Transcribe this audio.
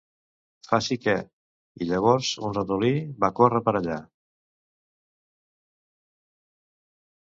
Faci que, i llavors un ratolí va córrer per allà.